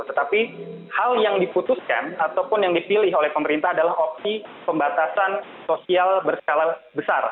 tetapi hal yang diputuskan ataupun yang dipilih oleh pemerintah adalah opsi pembatasan sosial berskala besar